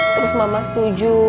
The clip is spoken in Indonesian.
terus mama setuju